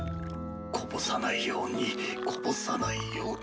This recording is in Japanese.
こぼさないようにこぼさないように。